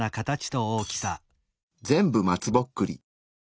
全部松ぼっくり。